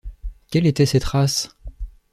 Quelle était cette race?